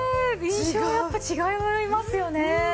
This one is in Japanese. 印象やっぱ違いますよね。